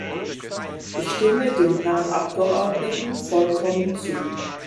Ich stimme dem Herrn Abgeordneten vollkommen zu.